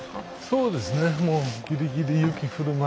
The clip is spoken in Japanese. そうですね。